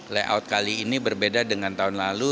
layout kali ini berbeda dengan tahun lalu